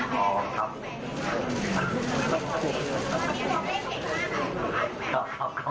บอกว่าขนาดไหนครับอ่านครับ